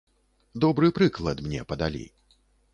Добры прыклад мне падалі.